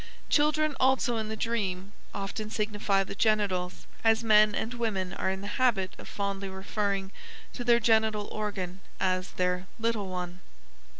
Children also in the dream often signify the genitals, as men and women are in the habit of fondly referring to their genital organ as their "little one."